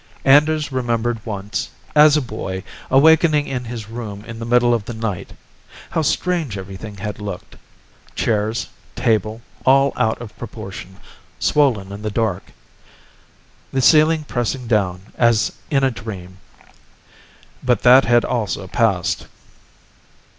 Anders remembered once, as a boy, awakening in his room in the middle of the night. How strange everything had looked. Chairs, table, all out of proportion, swollen in the dark. The ceiling pressing down, as in a dream. But that had also passed.